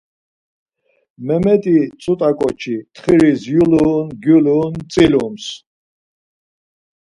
Memet̆i ç̌ut̆a koçi tğiriz yulun gulun tsilums.